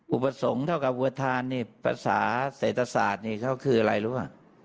อุปสรรคเท่ากับอวทานนี่ภาษาเศรษฐศาสตร์นี่เขาคืออะไรรู้ป่ะ